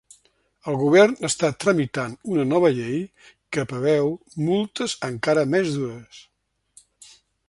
El govern està tramitant una nova llei que preveu multes encara més dures.